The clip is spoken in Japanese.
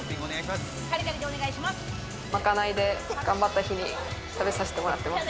まかないで、頑張った日に食べさせてもらってます。